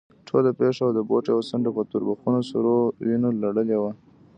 ټوله پښه او د بوټ يوه څنډه په توربخونو سرو وينو لړلې وه.